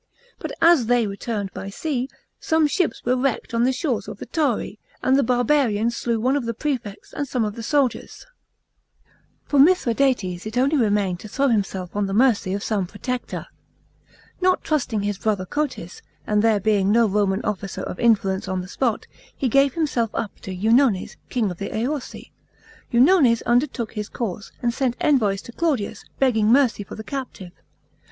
But as they returned by sea, some ships were wrecked on the shores of the Tauri, and the barbarians slew one of the prefects and some of the soldier*. 44 A.0. JUDEA. 243 For Mithradates it only remained to throw himself on the mercy of some protector. Not trusting his brother Cotys, and there being no Roman officer of influence on the spot, he gave himself up to Eunones, king of the Aorsi. Eunones undertook his cause, and sent envoys to Claudius, begging mercy for the captive.